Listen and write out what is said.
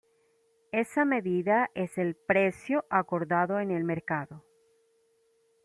Esa medida es el "precio" acordado en el mercado.